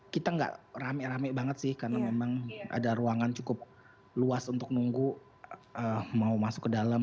kita nggak rame rame banget sih karena memang ada ruangan cukup luas untuk nunggu mau masuk ke dalam